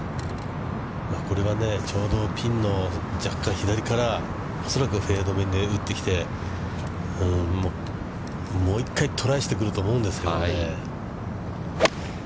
これはちょうどピンの若干左から、恐らくフェードめに打ってきて、もう一回トライしてくると思うんですけどね。